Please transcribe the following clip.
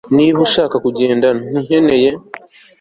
niba udashaka kugenda, ntukeneye